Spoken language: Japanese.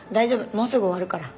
もうすぐ終わるから。